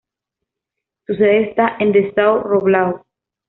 Su sede está en Dessau-Roßlau.